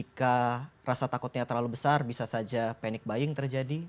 jika rasa takutnya terlalu besar bisa saja panic buying terjadi